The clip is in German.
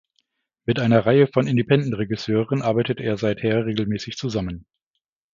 Mit einer Reihe von Independent-Regisseuren arbeitet er seither regelmäßig zusammen.